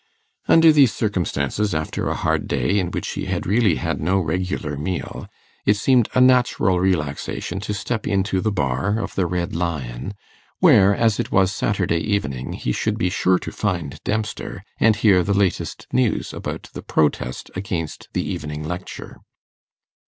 Under these circumstances, after a hard day, in which he had really had no regular meal, it seemed a natural relaxation to step into the bar of the Red Lion, where, as it was Saturday evening, he should be sure to find Dempster, and hear the latest news about the protest against the evening lecture.